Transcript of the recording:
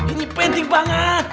ini penting banget